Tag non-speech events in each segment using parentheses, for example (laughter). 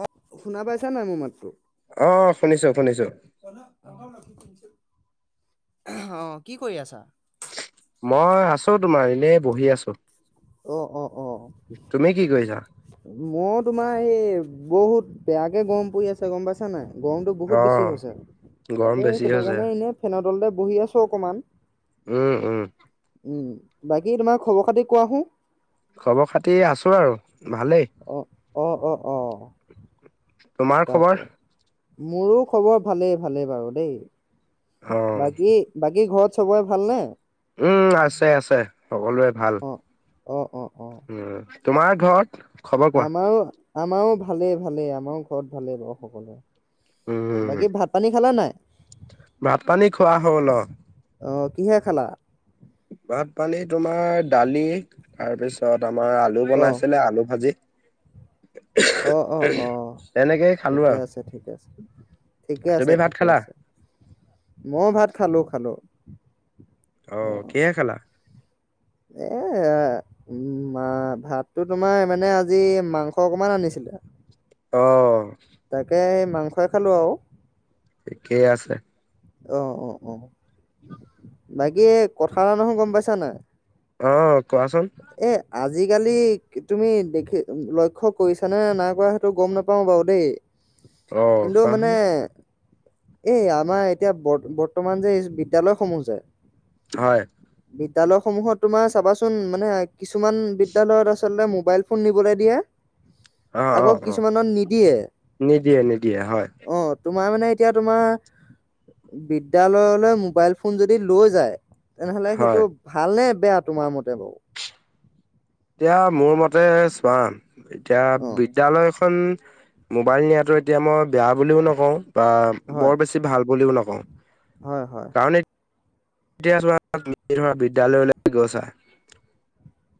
অহ' শুনা পাইছা, নাই মো মাতটো। অহ' শুনিছোঁ, শুনিছোঁ। অলপ কামত আছোঁ, অহু অহ কি কৰি আছা? মই আছো তোমাৰ এনেই বহি আছো। অ তুমি কি কৰিছা? মো তোমাৰ এই বহুত বেয়াকে গৰম পৰি আছে, গম পাইছা নাই। গৰমতো অ বহুত বেছি হৈছে গৰম তাকে বেছি সেইটো হৈছে কাৰণে এনেই ফেনৰ তলতে বহি আছো অকণমান। উম, উম। উম বাকী তোমাৰ খবৰ খাতি কোৱা চোন। খবৰ খাতি আছো আৰু ভালেই। অহ অহ অহ অহ। তোমাৰ খবৰ তাকে মোৰো খবৰ ভালেই ভালেই বাৰু দেই। অ বাকী বাকী ঘৰত চবৰে ভাল নে। উম আছে আছে সকলোৱে ভাল। অ অ অ উম তোমাৰ ঘৰত। খবৰ কোৱা আমাও আমাও ভালে ভালে আমাও ঘৰত ভালে বাৰু সকলোৱে। উম বাকী ভাত পানী খালা নাই? ভাত পানী খোৱা হ'ল অহ। অহ কিহে খালা। ভাত পানী তোমাৰ দালি তাৰপিছত আমাৰ আ। লু অহ বনাইছিলে আলু ভাজি। অহ অহ অহ তেনেকেই খালো ঠিকে আৰু আছে ঠিকে আছে। ঠিকে আছে তুমি ভাত ঠিকে খালা আছে ময়ো ভাত খালোঁ খালোঁ। অহ কিহে খালা। এ উম মা ভাততো তোমাৰ মানে আজি মাংস অকমান আনিছিলোঁ। অহ। তাকে এই মাংসই খালোঁ আও। ঠিকেই আছে। অ অঁ অ, বাকী কথা এটা নহয় গম পাইছা নে নাই? অঁ কোৱাচোন। এ আজিকালি তুমি দেখি লক্ষ্য কৰিছা নে নাই কৰা সেইটো গম নাপাওঁ বাৰু দেই। অ', কিন্তু কোৱাচোন মানে এই আমাৰ এতিয়া বৰ বৰ্তমান যে এই বিদ্যালয়সমূহ যে, হয়। বিদ্যালয় সমূহত তোমাৰ চাবাচোন, মানে কিছুমান বিদ্যালয়ত আচলতে মবাইল ফোন নিবলে দিয়ে। অ', আকৌ অ', অ', কিছুমানত নিদিয়ে নিদিয়ে নিদিয়ে হয়। অহ। তোমাৰ মানে এতিয়া তোমাৰ, বিদ্যালয়লৈ মোবাইল ফোন যদি লৈ যায়, তেনেহ'লে হয়, সেইটো ভাল নে বেয়া তোমাৰ মতে বাও। এতিয়া মোৰ মতে চোৱা। এতিয়া অঁ বিদ্যালয়খন মোবাইল নিয়াটো এতিয়া মই বেয়া বুলিও নকওঁ। বা হয় বৰ বেছি ভাল বুলিও নকওঁ। হয় হয়। কাৰণ এতিয়া ধৰা তুমি ধৰা বিদ্যালয়লৈ গৈছা।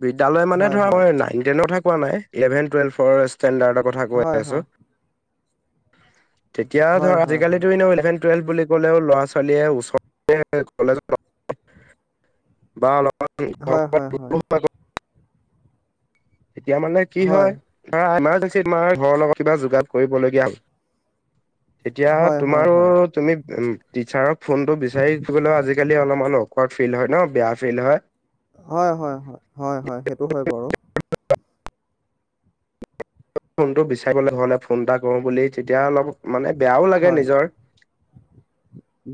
বিদ্যালয় মানে হয় ধৰা মই নাইন টেনৰ কথা কোৱা নাই, ইলেভেন টুৱেলভৰ ষ্টেণ্ডাৰ্ডৰ কথা হয় হয় কৈ আছোঁ। তেতিয়া আৰু ধৰা হয় হয় হয় আজিকালিটো এনেও ইলেভেন টুৱেলভ বুলি ক'লেও ল'ৰা ছোৱালীয়ে ওচৰতে কলেজত বা অলপ হয় হয় হয়। এতিয়া মানে কি হয়, ধৰা ইমাৰজেঞ্চিত তোমাৰ ঘৰৰ লগত কিবা যোগাত কৰিবলগীয়া হ'ল। তেতিয়া হয় হয় হয় তোমাৰো তুমি ওম টিচাৰক ফোনটো বিচাৰি গলৈও আজিকালি অলপমান অৰ্কাড ফিল হয় ন বেয়া ফিল হয়। হয় হয় হয় হয় হয় সেইটো হয় বাৰু। ফোনটো বিচাৰিবলে হলে ফোন এটা কৰো বুলি তেতিয়া অলপ মানে বেয়াও লাগে হয় নিজৰ,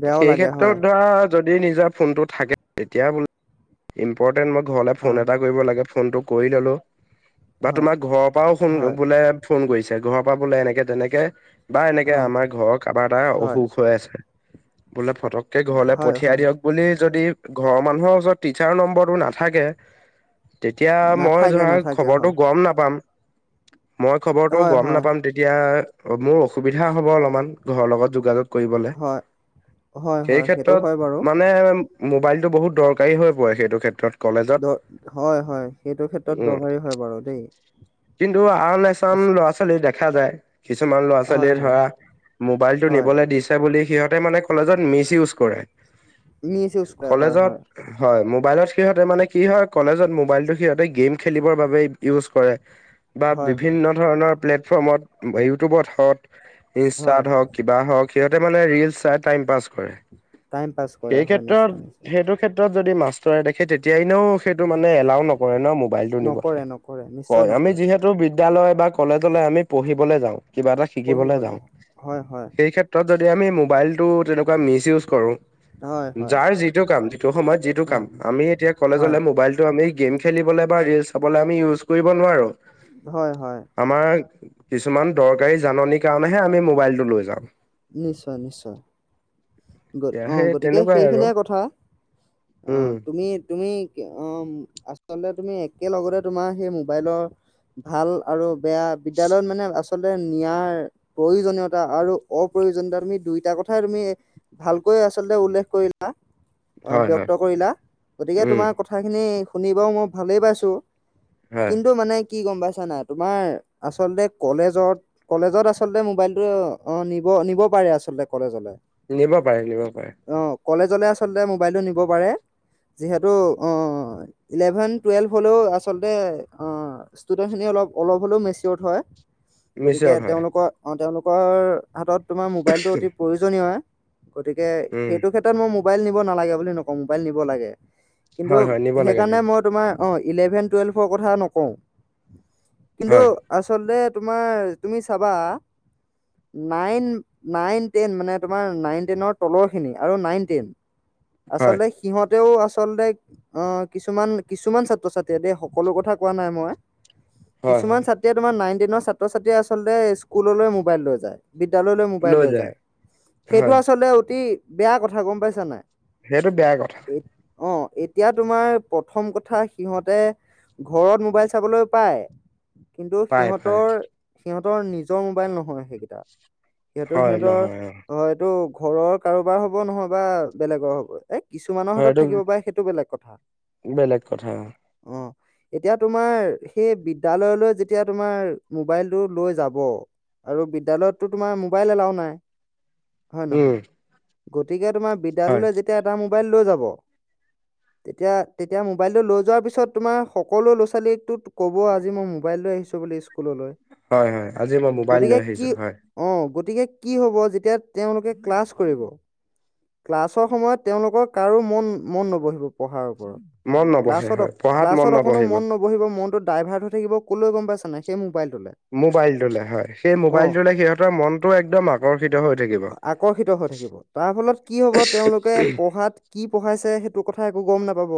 বেয়াও সেই লাগে ক্ষেত্ৰত হয় ধৰা যদি নিজা ফোনটো থাকে, তেতিয়া বোলে ইম্পৰ্টেণ্ট মই ঘৰলৈ ফোন হয় এটা কৰিব লাগে ফোনটো কৰি ল'লো, বা হয় তোমাৰ ঘৰৰ পৰাও ফোন হয় এ ফোন কৰিছে ঘৰৰ পৰা বোলে এনেকে তেনেকে বা এনেকে হয় আমাৰ ঘৰৰ কাৰোবাৰ এটা হয় অসুখ হৈ আছে। বোলে ফটককে ঘৰলৈ হয় পঠিয়াই হয় দিয়ক। বুলি যদি ঘৰৰ মানুহৰ ওচৰত টিচাৰ নম্বৰটো নাথাকে। তেতিয়া মই নাথাকে ধৰা নাথাকে হয় খবৰটো গম নাপাম। মই খবৰটো হয় গম হয় নাপাম তেতিয়া মোৰ অসুবিধা হ'ব অলপমান, ঘৰৰ লগত যোগাযোগ কৰিবলে, হয় হয় হয় সেই সেইটো ক্ষেত্ৰত হয় বাৰু মানে মোবাইলটো বহুত দৰকাৰী হৈ পৰে, সেইটো ক্ষেত্ৰত কলেজত দ হয় হয়, সেইটো ক্ষেত্ৰত দৰকাৰী হয় বাৰু দেই। টো আন এচাম আছ- ল'ৰা ছোৱালী দেখা যায়। কিছুমান ল'ৰা হয় ছোৱালীয়ে হয় ধৰা মোবাইলটো হয় নিবলৈ দি ছে বুলি সিহঁতে মানে কলেজত মিছ ইউজ কৰে। মিছ উইজ কৰে হয় কলেজত হয়। হয়, মোবাইলত সিহঁতে মানে কি হয় কলেজত মোবাইলটো সিহঁতে গেম খেলিবৰ বাবে ইউজ কৰে। বা হয় হয় বিভিন্ন ধৰণৰ প্লেটফৰ্মত ইউটিউবত হওকজ হয় ইনষ্টাত হওক, কিবা হওক সিহঁতে মানে ৰিল চাই টাইম পাছ কৰে। টাইম পাছ কৰে সেই হয় ক্ষেত্ৰত নিশ্চয় নিশ্চয় সেইটো ক্ষেত্ৰত যদি মাষ্টৰে দেখে তেতিয়া এনেও সেইটো মানে এলাও ন কয় ন মোবাইল টো নিবলে নকৰে নকৰে নিশ্চয় কয়, আমি নকৰে যিহেতু বিদয়ালয় বা কলেজলৈ আমি পঢ়িবলৈ যাওঁ, কিবা এটা শিকিবলৈ পঢ়িবলে যাওঁ। হয় হয় সেই ক্ষেত্ৰত ত যদি আমি মোবাইলটো তেনেকুৱা মিছ ইউজ কৰোঁ হয় হয় যাৰ যিটো কাম, যিটো সময়ত যিটো হয় কাম। আমি এতিয়া হয় কলেজলে মোবাইল এইটো আমি গেম খেলিবলৈ বা ৰিল চাবলৈ আমি ইউজ কৰিব নোৱাৰো। হয়, হয়। আমাৰ কিছুমান দৰকাৰী জাননীৰ কাৰণেহে আমি মোবাইলটো লৈ যাওঁ। নিশ্চয়, নিশ্চয়। এতিয়া অঁ, সেই গতিকে তেনেকুৱাই আৰু সেইখিনিয়ে কথা, অঁ, উম তুমি তুমি অ, আচলতে তুমি একেলগতে তোমাৰ সেই মোবাইলৰ ভাল আৰু বেয়া, বিদ্যালয়ত মানে আ আচলতে নিয়াৰ প্ৰয়োজনীয়তা আৰু অপ্ৰয়োজনীয়তা তুমি দুইটা কথাই তুমি ভালকৈ আচলতে উল্লেখ কৰিলা, হয় হয় ব্যক্ত কৰিলা, গতিকে উম তোমাৰ কথা কথাখিনি শুনি বাৰু মই ভালেই পাইছোঁ। হয় কিন্তু মানে কি গম পাইছা নাই! তোমাৰ আচলতে কলেজত কলেজত আচলতে মোবাইলটো অ, নিব, নিব পাৰে আচলতে কলেজলে। নিব পাৰে, নিব পাৰে। অঁ, কলেজলৈ আচলতে মোবাইলটো নিব পাৰে। যিহেতু অঁ ইলেভেন, টুৱেল্ভ হ'লেও আচলতে ষ্টুডেন্ট খিনি অলপ- অলপ হ'লেও মেচিয়ৰ হয়। গতিকে নিশ্চয় হয় তেওঁলোকৰ অ, তেওঁলোকৰ হাতত তোমাৰ মোবাইলটো অতি প্ৰয়োজনীয়। গতিকে উম সেইটো ক্ষেত্ৰত মই মোবাইল নিব নালাগে বুলি নকওঁ, মোবাইল নিব লাগে। কিন্তু হয় হয় নিব লাগে নিব সেইকাৰণে মই তোমাৰ অঁ, ইলেভেন-টুৱেলভৰ কথা নকওঁ, কিন্তু হয় আচলতে তোমাৰ, তুমি চাবা নাইন, নাইন-টেন, মানে তোমাৰ নাইন টেনৰ তলৰখিনি আৰু নাইন-টেন, হয় আচলতে সিহঁতেও আচলতে অ, কিছুমান-কিছুমান ছাত্ৰ-ছাত্ৰীয়ে দেই, সকলো কথা কোৱা নাই মই। হয় কিছুমান হয় ছাত্ৰীয়ে তোমাৰ নাইন-টেনৰ ছাত্ৰ-ছাত্ৰীয়ে আচলতে স্কুললৈ মোবাইল লৈ যায়। বিদ্যালয়লৈ মোবাইল লৈ যায়। হম। সেইটো আচলতে অতি বেয়া কথা, গম পাইছা নাই! সেইটো বেয়া কথা। অ, এতিয়া তোমাৰ প্ৰথম কথা সিহঁতে ঘৰত মোবাইল চাবলৈ পায় কিন্তু পাই পাই সিহঁতৰ- সিহঁতৰ নিজৰ মোবাইল নহয় সেইকেইটা। সেইটো হয় সিহঁতৰ নহয় অ হয়তো ঘৰৰ কাৰোবাৰ হ'ব নহয় বা বেলেগৰ হ'ব। এ, কিছুমানৰ হয় হাতত এইটো থাকিব পাৰে, সেইটো বেলেগ কথা। বেলেগ অ', (inaudible) এতিয়া তোমাৰ, সেই বিদ্যালয়লৈ যেতিয়া তোমাৰ মোবাইলটো লৈ যাব আৰু বিদ্যালয়তটো তোমাৰ মোবাইল এলাও নাই। হয় উম নহয়! গতিকে তোমাৰ হয় বিদ্যালয়লৈ যেতিয়া এটা মোবাইল লৈ যাব (inaudible) তেতিয়া, তেতিয়া মোবাইলটো লৈ যোৱাৰ পিছত তোমাৰ সকলো লৰা-ছোৱালীকটো ক'ব, আজি মই মোবাইল লৈ আহিছোঁ বুলি স্কুললৈ। হয়, হয়, আজি মই মোবাইল গতিকে লৈ কি আহিছো। হয়। অ' গতিকে কি হ'ব, যেতিয়া তেওঁলোকে ক্লাছ কৰিব। ক্লাছৰ সময়ত তেওঁলোকৰ কাৰো মন মন নবহিব পঢ়াৰ মন ওপৰত। নবহে ক্লাছত হয় অক পঢ়াত মন ক্লাছত অকণো নবহিব মন নব হিব মনটো ডাইভাৰ্ট হৈ থাকিব, কলৈ গ'ম পাইছা নে সেই মোবাইলটোলৈ? মোবাইলটোলৈ হয়। সেই মোবাইলটোলৈ সিহঁতৰ মনটো একদম আকৰ্ষিত হৈ থাকিব। আকৰ্ষিত হৈ থাকিব। তাৰ ফলত কি হ'ব তেওঁলোকে পঢ়াত কি পঢ়াইছে সেইটো কথা একো গ'ম নাপাব।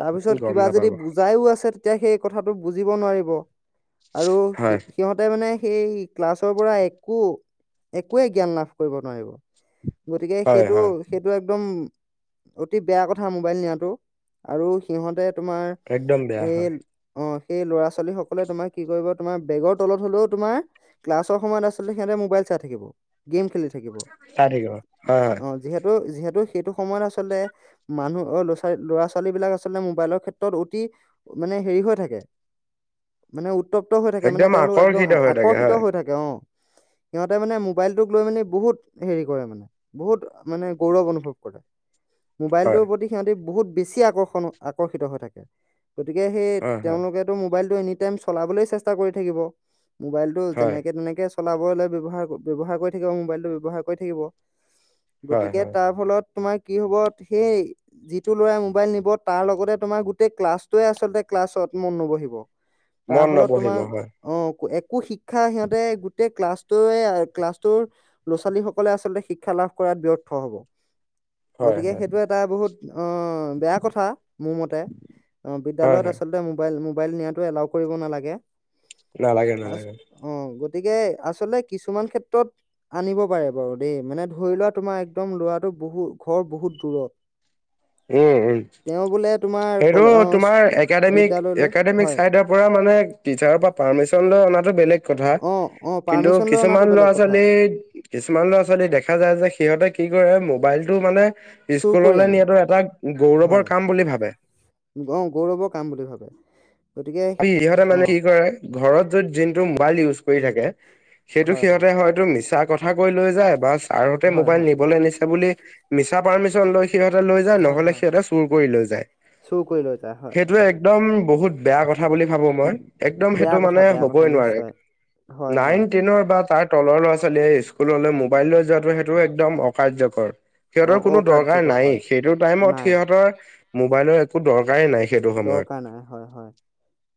তাৰ পিছত গম কিবা নাপাব যদি বুজা ইও আছে তেতিয়া সেই কথাটো বুজিব নোৱাৰিব। আৰু সি হয় সিহঁত তে মানে সেই ক্লাছৰ পৰা একো একোৱেই জ্ঞান লাভ কৰিব নোৱাৰিব। গতিকে হয় সেইটো হয় সেইটো একদম অতি বেয়া কথা মোবাইল নিয়াটো। আৰু সিহঁতে তোমাৰ একদম বেয়া এই হয় অ' সেই ল'ৰা ছোৱালী সকলে তোমাৰ কি কৰিব, তোমাৰ বেগৰ তলত হলেও তোমাৰ ক্লাছৰ সময়ত আচলতে সিহঁতে মোবাইল চাই থাকিব গেম খেলি থাকিব। চাই থাকিব হয় হয় অ' যিহেতু, যিহেতু সেইটো সময়ত আচলতে মানুহ অ' ল'ৰা-ছোৱালী বিলাক আচলতে মোবাইলৰ ক্ষেত্ৰত অতি মানে হেৰি হৈ থাকে মানে উত্তপ্ত হৈ থাকে, মানে একদম তেওঁলোক একদম আকৰ্ষিত হৈ থাকে আকৰ্ষিত হয় হৈ থাকে। কে অ', সিহঁতে মানে মোবাইল টোক লৈ মানে বহুত হেৰি কৰে মানে বহুত মানে গৌৰৱ অনুভৱ কৰে। হয় মোবাইলটোৰ প্ৰতি সিহঁতি বহুত বেছি আকৰ্ষণ আকৰ্ষিত হৈ থাকে। গতিকে সেই হয় হয় তেওঁলোকে মোবাইলটো এনিটাইম চলাবলৈয়ে চেষ্টা কৰি থাকিব। মোবাইলটো হয় যেনেকে তেনেকে চলাবলৈ ব্যৱহাৰ কৰি ব্যৱহাৰ কৰি থাকিব মোবাইলটো ব্যৱহাৰ কৰি থাকিব। হয় গতিকে হয় তাৰ ফলত তোমাৰ কি হ'ব। সেই যিটো ল'ৰাই মোবাইল নিব তাৰ লগতে তোমাৰ গোটেই ক্লাছটোৱে আচলতে ক্লাছত মন নবহিব। তাৰ মন ফলত নবহিব তোমাৰ হয় অ' একো শিক্ষা সিহঁতে গোটেই ক্লাছটোৱে ক্লাছ টোৰ ল'ৰা ছোৱালী সকলে আচলতে শিক্ষা লাভ কৰাত ব্যৰ্থ হ'ব। হয় গতিকে হয় সেইটোৱে এটা বহুত অ' বেয়া কথা মোৰ মতে। অ' হয় বিদ্যালয়ত হয় আচলতে মোৰ মবাইল, মোবাইল নিয়াটো এলাও কৰিব নালাগে। নালাগে নালাগে অ' গতিকে আচলতে কিছুমান ক্ষেত্ৰত আনিব পাৰে বাৰু দেই, মানে ধৰি লোৱা তোমাৰ একদম ল'ৰাটো বহুত ঘৰ বহুত দূৰত। উম', উম' তেওঁ বোলে তোমাৰ সেইটো কলে অ তোমাৰ একাডেমিক', বিদ্যালয়লৈ একাডেমিক' হয় চাইড ৰ পৰা মানে টিচাৰৰ পৰা পাৰ্মিচন লৈ অনাটো বেলেগ কথা, অ অ কিন্তু পাৰ্মিশন লৈ অনাটো কিছুমান বেলেগ কথা ল'ৰা-ছোৱালী কিছুমান ল'ৰা-ছোৱালী দেখা যায় যে সিহঁতে কি কৰে মোবাইলটো মানে চুৰ কৰি স্কুললে আনে নিয়াটো লাক গৌৰৱৰ হয় কাম বুলি ভাবে। অ' গৌৰৱৰ কাম বুলি ভাবে। গতিকে সিহঁতে অ মানে কি কৰে ঘৰত য'ত দিনটো মোবাইল ইউজ কৰি থাকে, সেইটো সিহঁতে হয় টো মিছা কথা কৈ লৈ যায়, বা ছাৰহ'তে হয় মোবাইল হয় নিবলৈ দিছে বুলি মিছা পাৰ্মিশ্যন লৈ সিহঁতে লৈ যায়, হয় নহ'লে হয় সিহতে চুৰ কৰি লৈ যায়। চুৰ কৰি লৈ যায় হয় সেইটোৱে একদম বহুত বেয়া কথা। হোৱা বুলি ভাবো মই, একদম সেইটো বেয়া কথা মানে বেয়া কথা হবই নোৱাৰে। নিশ্চয় হয় নাইন হয় টেইনৰ বা যাক তলৰ ল'ৰা ছোৱালীয়ে স্কুললৈ মোবাইল লৈ যোৱাটো সেইটোও একদম অ কাৰ্যকৰ। অ সিহঁতৰ কোনো দৰকাৰ অকাৰ্যকৰ হয় নাইয়েই, সেইটো টাইমত নাই সিহঁতৰ মোবাইলৰ একো দৰকাৰেই নাই। সেইটো সময়ত। দৰকাৰ নাই হয়, হয়।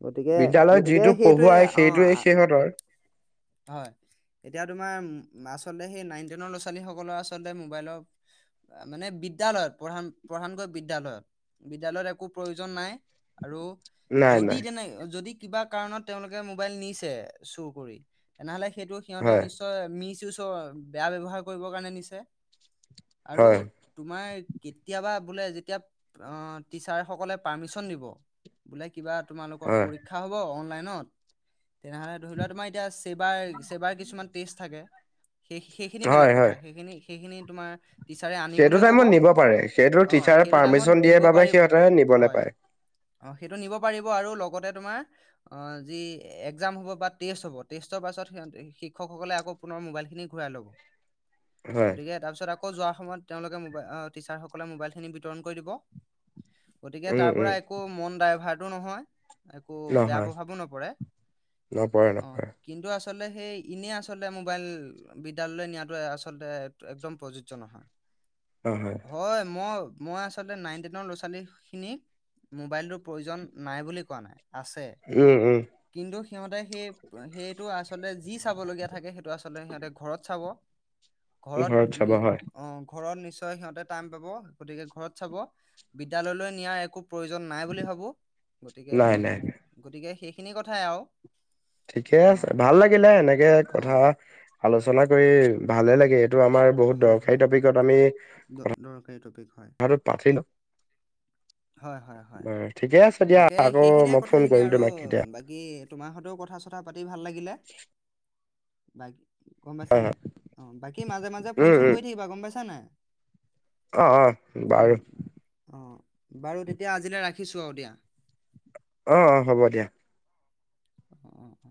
গতিকে বিদ্যালয়ত গতিকে যিটো সেইটোৱে পঢ়ুৱাই সেইটোৱে সিহঁতৰ অ' হয় এতিয়া তোমাৰ আচলতে সেই নাইন টেনৰ ল'ৰা ছোৱালীসকলৰ আচলতে মোবাইলৰ মানে বিদ্যালয়ত প্ৰধান প্ৰধানকৈ বিদ্যালয়ত বিদ্যালয়ত একো প্ৰয়ো জন নাই আৰু নাই যদি নাই তেনে যদি কিবা কাৰণত তেওঁলোকে মোবাইল নিছে চুৰ কৰি তেনেহলে সেইটো সিঁহতে হয় নিচ চয় মিচইউচৰ বেয়া ব্যৱহাৰ কৰিবৰ কাৰণে নিছে আৰু হয়। তোমাৰ কেতিয়াবা বোলে যেতিয়া অ' টিচাৰ সকলে পাৰ্মিচন দিব বোলে কিবা তোমালোকৰ হয় পৰীক্ষা হ'ব অনলাইনত তেনেহ'লে ধৰি লোৱা তোমাৰ এতিয়া ছেবাৰ, ছেবাৰ কিছুমান টেষ্ট থাকে সেই সেইখিনি হয় বেলেগ কথা হয়। সেইখিনি সেইখিনি তোমাৰ টিচাৰে সেইটো আনিবলৈ টাইমত ক'ব নিব পাৰে সেইটো অ টিচাৰে সেইটো টাইমত পাৰ্মিশন দিয়ে নিব বাবে পাৰি সিহঁতে নিবলৈ হয় পায় অ' সেইটো নিব পাৰিব আৰু লগতে তোমাৰ অ' যি একজাম হ'ব বা টেষ্ট হ'ব টেষ্টৰ পাছত শিক্ষকসকলে আকৌ পুনৰ মবাইল খিনি ঘূৰাই লব। (inaudible) হয় গতিকে তাৰপিছত আকৌ যোৱাৰ সময়ত তেওঁলোকে মবাইল টিচাৰ সকলে মোবাইল খিনি বিতৰণ কৰি দিব। গতিকে উম তাৰ উম পৰা একো মন ডাইভাৰ্টো নহয় একো বেয়া নহয় প্ৰভাৱো নপৰে নপৰে অ' নপৰে কিন্তু আচলতে সেই ইনেই আচলতে মোবাইল বিদ্যালয়লৈ নিয়াটোৱে আচলতে একদম প্ৰযোজ্য নহয়। অ হয় হয় মই মই আচলতে নাইন টেনৰ ল'ৰা ছোৱালী খিনিক মোবাইলটোৰ প্ৰয়োজন নাই বুলি কোৱা নাই আছে উম, উম কিন্তু সিহঁতে সেই সেইটো আচলতে যি চাবলগীয়া থাকে সেইটো আচলতে সিহঁতে ঘৰত চাব ঘৰত চাব হয় অ ঘৰত নিশ্চয় সিহঁতে টাইম পাব গতিকে ঘৰত চাব। বিদ্যালয়লৈ নিয়া একো প্ৰয়োজন নাই বুলি ভাবো গতিকে নাই নাই গতিকে সেইখিনি কথাই আৰু ঠিকে অ আছে ভাল লাগিলে এনেকে অ কথা আলোচনা কৰি ভালে লাগে এইটো আমাৰ বহুত হয় দৰকাৰী হয় টপিকত আমি দ কথা দৰকাৰী টপিক হয় কথাটো পাতিলো হয়, হয়, হয়। বাৰু ঠিকে আছে দিয়া, তাকে আকৌ মই ফোন কৰিম তোমাক কেতিয়া কি তোমাৰ সতেও কথা চথা পাতি ভাল লাগিলে বাকী গম পাইছা হয় নাই হয় অ' বাকী মাজে মাজে ফোন উম চোন উম কৰি থাকিবা গম পাইছা নাই। অ অ উম, বাৰু অ বাৰু তেতিয়া আজিলৈ ৰাখিছোঁ আৰু দিয়া। অ অ হ'ব দিয়া। অ অ